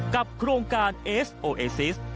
โครงการเอสโอเอซิส